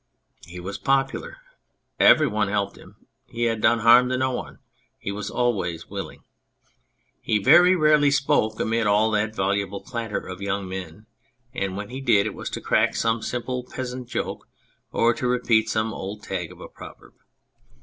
He was popular, every one helped him, he had done harm to no one, he was always willing. He very rarely spoke, amid all that voluble clatter of young men, and when he did, it was to crack some simple peasant joke or to repeat some old tag of a proverb.